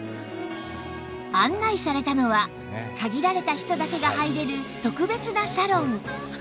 案内されたのは限られた人だけが入れる特別なサロン